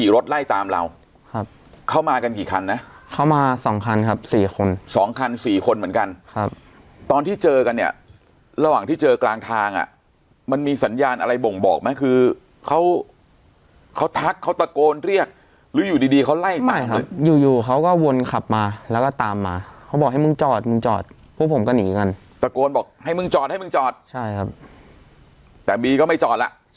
รถไล่ตามเราครับเข้ามากันกี่คันนะเขามาสองคันครับสี่คนสองคันสี่คนเหมือนกันครับตอนที่เจอกันเนี่ยระหว่างที่เจอกลางทางอ่ะมันมีสัญญาณอะไรบ่งบอกไหมคือเขาเขาทักเขาตะโกนเรียกหรืออยู่ดีดีเขาไล่ไปครับอยู่อยู่เขาก็วนขับมาแล้วก็ตามมาเขาบอกให้มึงจอดมึงจอดพวกผมก็หนีกันตะโกนบอกให้มึงจอดให้มึงจอดใช่ครับแต่บีก็ไม่จอดละ